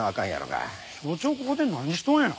署長ここで何しとんや？